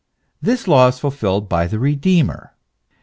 This law is fulfilled by the Redeemer.